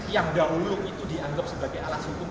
yang dahulu itu dianggap sebagai alas hukum